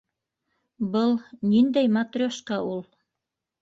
Был... ниндәй матрешка ул?